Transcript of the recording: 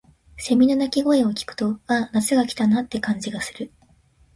蝉の鳴き声を聞くと、「ああ、夏が来たな」って感じがする。